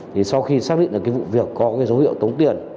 thì sau khi xác định là cái vụ việc có cái dấu hiệu tốn tiền